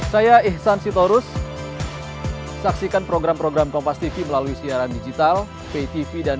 tapi niat yang telah diberikan sudah mudah jadi kepecatan